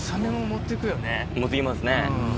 持って行きますね。